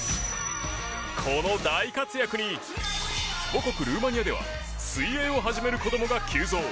この大活躍に母国ルーマニアでは水泳を始める子供が急増。